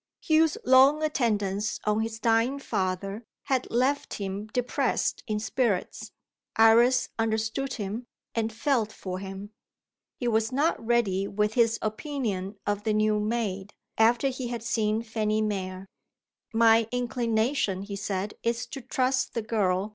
Hugh's long attendance on his dying father had left him depressed in spirits; Iris understood him, and felt for him. He was not ready with his opinion of the new maid, after he had seen Fanny Mere. "My inclination," he said, "is to trust the girl.